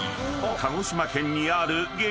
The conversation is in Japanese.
［鹿児島県にある激